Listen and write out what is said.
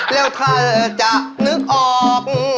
แล้วท่านจะนึกออก